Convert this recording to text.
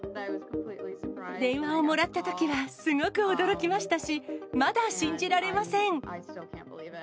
電話をもらったときは、すごく驚きましたし、まだ信じられません。